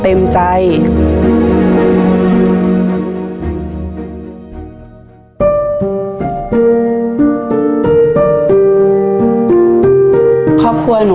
และจะแบกมันเอาไว้ด้วยความเต็มใจ